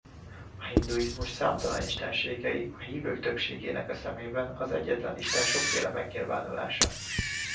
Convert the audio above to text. A hinduizmus számtalan istenségei a hívők többségének a szemében az egyetlen Isten sokféle megnyilvánulása.